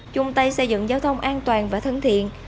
chung tay xây dựng giao thông an toàn và thân thiện